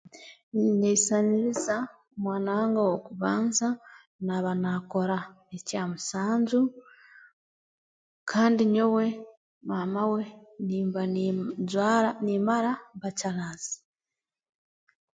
Ninyesisaniriza omwana wange ow'okubanza naaba naakora ekya musanju kandi nyowe maama we nimba ninjwara nimmara Bachelors